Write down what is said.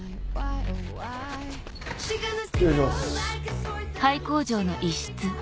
失礼します。